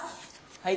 はい。